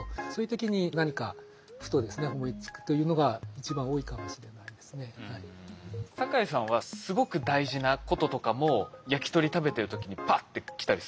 僕も違うことをしてる時で私の場合坂井さんはすごく大事なこととかも焼き鳥食べてる時にパッてきたりするんですか？